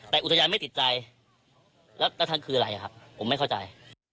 แต่อุทยานไม่ติดใจแล้วท่านคืออะไรครับผมไม่เข้าใจ